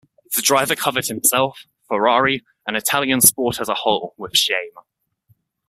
The driver covered himself, Ferrari and Italian sport as a whole with shame.